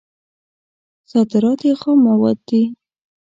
صادرات یې خام مواد دي.